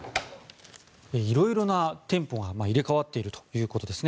色々な店舗が入れ替わっているということですね。